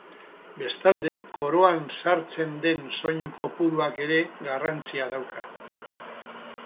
Bestalde, koroan sartzen den soinu kopuruak ere garrantzia dauka.